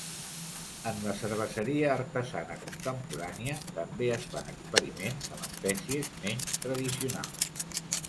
En la cerveseria artesana contemporània, també es fan experiments amb espècies menys tradicionals.